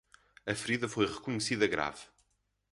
A ferida foi reconhecida grave.